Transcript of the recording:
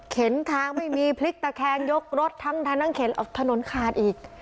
เข็นทางไม่มีพลิกตะแคงยกรถทั้งท่านต้องเข็นออกถนนขาดอีก